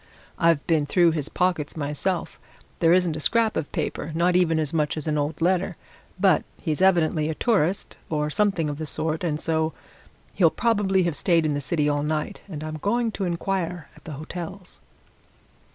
"I've been through his pockets myself: there isn't a scrap of paper not even as much as an old letter. But he's evidently a tourist, or something of the sort, and so he'll probably have stayed in the city all night, and I'm going to inquire at the hotels."